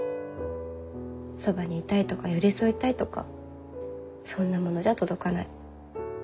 そばにいたいとか寄り添いたいとかそんなものじゃ届かない。